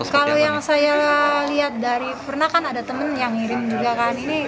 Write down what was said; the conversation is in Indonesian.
kalau yang saya lihat dari pernah kan ada temen yang ngirim juga kan